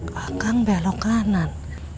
kakang belok kanan